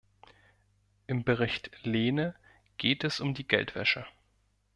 Im Bericht Lehne geht es um die Geldwäsche.